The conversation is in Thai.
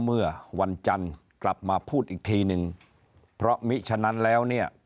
เมื่อวันจันทร์กลับมาพูดอีกทีนึงเพราะมิฉะนั้นแล้วเนี่ย